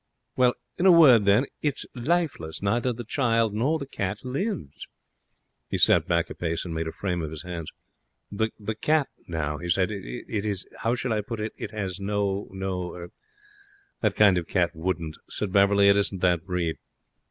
'Well, in a word, then, it is lifeless. Neither the child nor the cat lives.' He stepped back a pace and made a frame of his hands. 'The cat now,' he said. 'It is how shall I put it? It has no no er ' 'That kind of cat wouldn't,' said Beverley. 'It isn't that breed.'